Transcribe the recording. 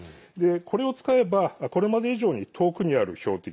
これを使えば、これまで以上に遠くにある標的